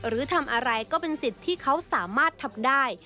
หรือทำอะไรก็เป็นสิทธิ์ที่เขาสามารถทำได้